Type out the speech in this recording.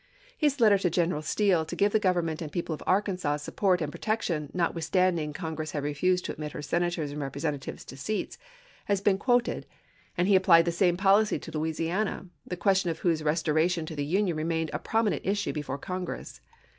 His letter to General Steele to give the government and people of Arkansas support and protection notwithstanding Congress had refused to admit her Senators and Representatives to seats Ante has been quoted, and he applied the same policy Vp.*S. to Louisiana, the question of whose restoration to the Union remained a prominent issue before Congress.